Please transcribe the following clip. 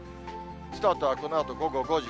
スタートはこのあと午後５時。